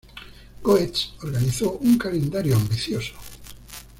Goetz organizó un calendario ambicioso.